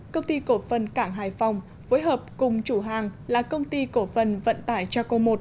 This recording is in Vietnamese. công ty cổ phần cảng hải phòng phối hợp cùng chủ hàng là công ty cổ phần vận tải chaco một